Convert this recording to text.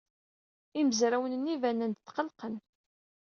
Imezrawen-nni banen-d tqellqen.